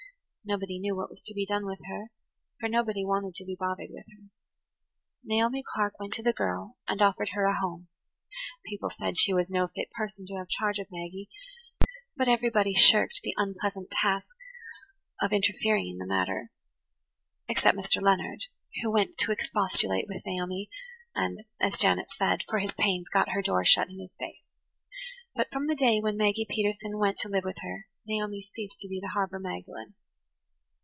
Nobody knew what was to be done with her, for nobody wanted to be bothered with her. Naomi Clark went to the girl and offered her a home. People said she was no fit person to have charge of Maggie, but everybody shirked the unpleasant task of interfering in the matter, except Mr. Leonard, who went to expostulate with Naomi, and, as Janet said, for his pains got her door shut in his face. But from the day when Maggie Peterson went [Page 104] to live with her, Naomi ceased to be the harbour Magdalen.